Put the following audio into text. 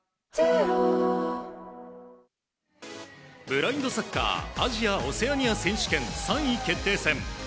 ブラインドサッカーアジア・オセアニア選手権３位決定戦。